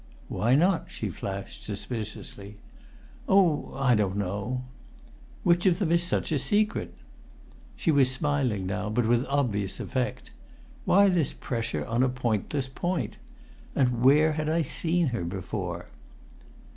"Why not?" she flashed, suspiciously. "Oh! I don't know." "Which of them is such a secret?" She was smiling now, but with obvious effort. Why this pressure on a pointless point? And where had I seen her before?